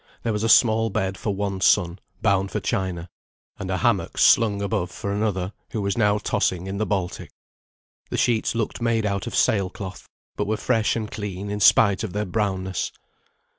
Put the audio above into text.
There was a small bed for one son, bound for China; and a hammock slung above for another, who was now tossing in the Baltic. The sheets looked made out of sail cloth, but were fresh and clean in spite of their brownness.